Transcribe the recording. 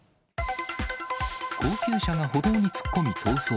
高級車が歩道に突っ込み逃走。